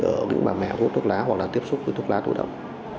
ở những bà mẹ hút thuốc lá hoặc là tiếp xúc với thuốc lá tổ động